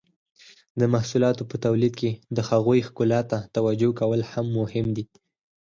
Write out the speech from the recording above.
د محصولاتو په تولید کې د هغوی ښکلا ته توجو کول هم مهم دي.